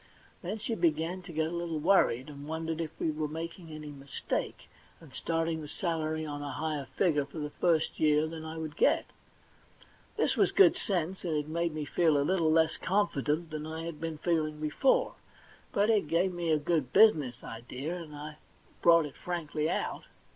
Then she began to get a little worried, and wondered if we were making any mistake, and starting the salary on a higher figure for the first year than I would get. This was good sense, and it made me feel a little less confident than I had been feeling before ; but it gave me a good business idea, and I brought it frankly out.